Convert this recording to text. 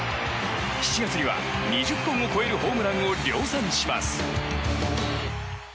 ７月には２０本を超えるホームランを量産します。